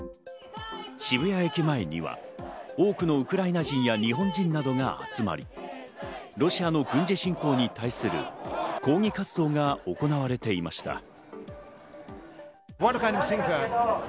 渋谷駅前には多くのウクライナ人や日本人などが集まり、ロシアの軍事侵攻に対する抗議活動が行われていました。